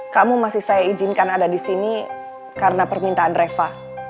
kamu masih saya izinkan ada disini karena permintaan reva